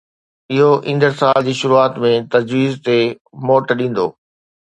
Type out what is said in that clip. اهو ايندڙ سال جي شروعات ۾ تجويز تي موٽ ڏيندو